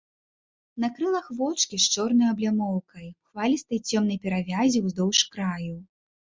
На крылах вочкі з чорнай аблямоўкай, хвалістай цёмнай перавяззю ўздоўж краю.